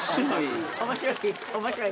面白い？